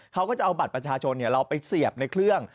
เขาก็จะเอาบัตรประชาชนเราไปเสียบในเครื่อง